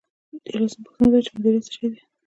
دیارلسمه پوښتنه دا ده چې مدیریت څه شی دی.